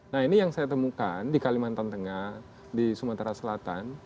nah ini yang saya temukan di kalimantan tengah di sumatera selatan